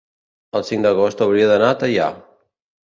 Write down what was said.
el cinc d'agost hauria d'anar a Teià.